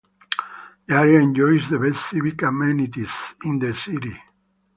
The area enjoys the best civic amenities in the city.